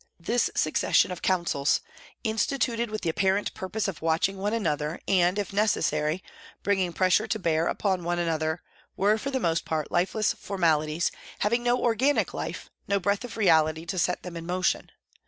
This succession of councils, instituted with the apparent purpose of watching one another, and, if necessary, bringing pressure to bear upon one another, were for the most part lifeless formalities, having no organic life, no breath of reality to set them in motion.